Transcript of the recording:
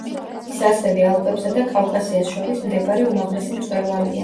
ის ასევე ალპებსა და კავკასიას შორის მდებარე უმაღლესი მწვერვალია.